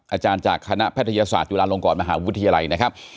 อาจารย์จากคณะแพทยศาสตร์จุฬาลงกรมหาวิทยาลัยนะครับ